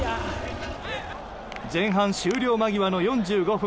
前半終了間際の４５分。